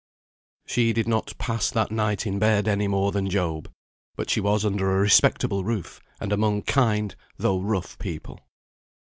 She did not pass that night in bed any more than Job; but she was under a respectable roof, and among kind, though rough people.